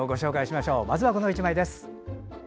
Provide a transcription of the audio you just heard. まずは、この１枚です。